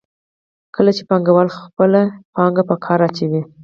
کله چې پانګوال خپله پانګه په کار اچوي